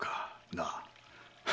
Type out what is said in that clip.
なあ。